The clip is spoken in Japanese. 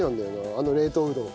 あの冷凍うどん